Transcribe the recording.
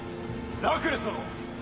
ラクレス殿！